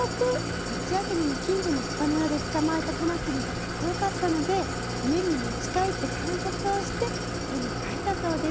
夏休みに近所の草むらで捕まえたカマキリがかっこよかったので家に持ち帰って観察をして絵に描いたそうです。